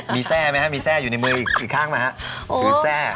มีแทรฟมั้ยครับมีแทรฟอยู่ในมืออีกขั้นมั้ยครับ